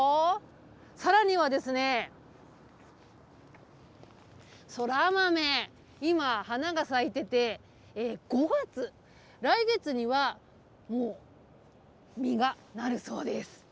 さらにはですね、そら豆、今花が咲いてて、５月、来月にはもう、実がなるそうです。